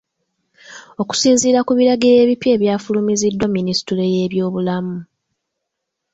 Okusinziira ku biragiro ebipya ebyafulumiziddwa Minisitule y'ebyobulamu.